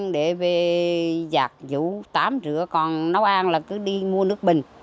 để về giặt dụ tám rửa còn nấu ăn là cứ đi mua nước bình